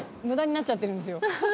無駄になっちゃってるんですよ。